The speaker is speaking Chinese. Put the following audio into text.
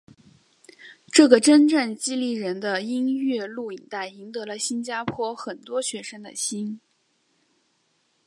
这个真正激励人的音乐录影带赢得了新加坡很多学生的心。